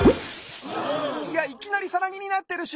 いやいきなりさなぎになってるし！